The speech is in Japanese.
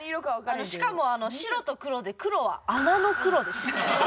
しかも白と黒で黒は穴の黒でした。